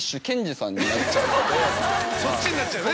そっちになっちゃうね。